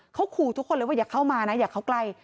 เขาขู่ทุกคนเลยว่าอย่าเข้ามานะอย่าเข้าใกล้